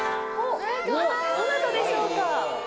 どなたでしょうか？